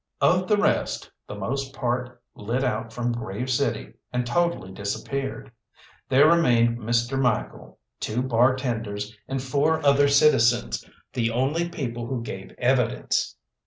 Of the rest, the most part lit out from Grave City, and totally disappeared. There remained Mr. Michael, two bar tenders, and four other citizens, the only people who gave evidence.